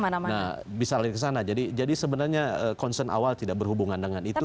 nah bisa lari ke sana jadi sebenarnya concern awal tidak berhubungan dengan itu